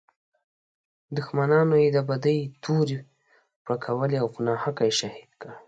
دښمنانو یې د بدۍ تورې پړکولې او په ناحقه یې شهید کړ.